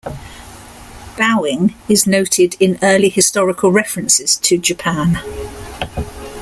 Bowing is noted in early historical references to Japan.